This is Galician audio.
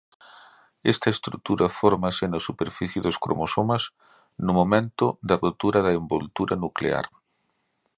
Esta estrutura fórmase na superficie dos cromosomas no momento da rotura da envoltura nuclear.